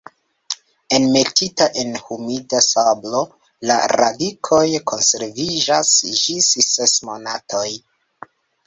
Enmetita en humida sablo la radikoj konserviĝas ĝis ses monatoj.